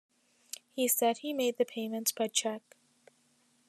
He said he made the payments by cheque.